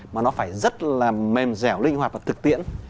mà nó phải rất là mềm dẻo linh hoạt và thực tiễn